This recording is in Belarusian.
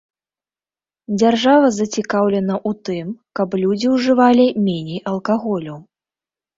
Дзяржава зацікаўлена у тым, каб людзі ужывалі меней алкаголю.